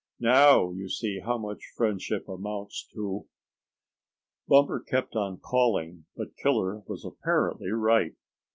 Now you see how much friendship amounts to!" Bumper kept on calling, but Killer was apparently right.